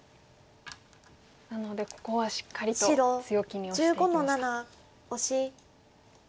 なのでここはしっかりと強気にオシていきました。